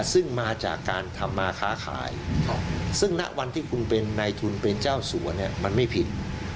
ซึ่งมาจากการทำมาค้าขายซึ่งณวันที่คุณเป็นในทุนเป็นเจ้าสัวเนี่ยมันไม่ผิด